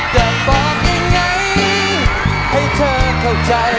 อยากบอกยังไงให้เธอเข้าใจ